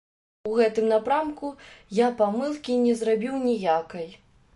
У гэтым напрамку я памылкі не зрабіў ніякай.